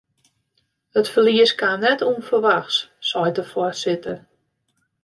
It ferlies kaam net ûnferwachts, seit de foarsitter.